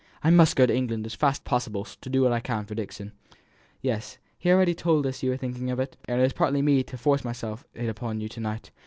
I must go to England as fast as possible to do what I can for Dixon." "Yes, he told us you were thinking of it, and it was partly that made me force myself in upon you to night.